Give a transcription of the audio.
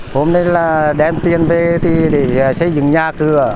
hôm nay là đem tiền về để xây dựng nhà cửa